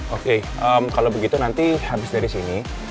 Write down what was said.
oke kalau begitu nanti habis dari sini